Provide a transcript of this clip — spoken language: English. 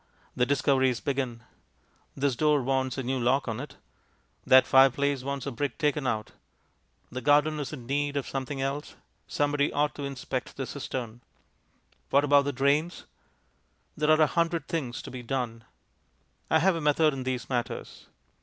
The discoveries begin. This door wants a new lock on it, that fireplace wants a brick taken out, the garden is in need of something else, somebody ought to inspect the cistern. What about the drains? There are a hundred things to be "done." I have a method in these matters.